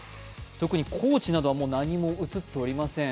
特に高知などは何も映っておりません。